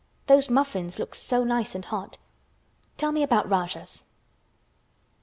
Those muffins look so nice and hot. Tell me about Rajahs." CHAPTER XV.